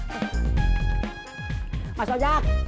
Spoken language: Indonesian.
itu kondisi jepang